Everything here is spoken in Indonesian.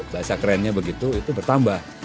bahasa kerennya begitu itu bertambah